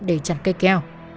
để chặt cây keo